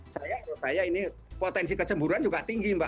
saya kalau saya ini potensi kecemburuan juga tinggi mbak